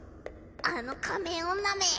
あの仮面女め。